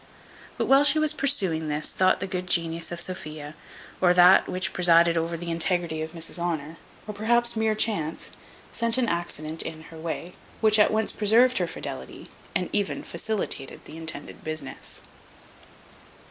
But while she was pursuing this thought the good genius of Sophia, or that which presided over the integrity of Mrs Honour, or perhaps mere chance, sent an accident in her way, which at once preserved her fidelity, and even facilitated the intended business.